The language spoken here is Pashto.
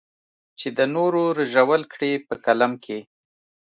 چې د نورو رژول کړې په قلم کې.